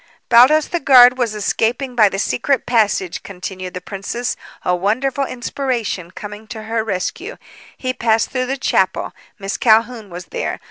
"Baldos, the guard, was escaping by the secret passage," continued the princess, a wonderful inspiration coming to her rescue. "He passed through the chapel. Miss Calhoun was there.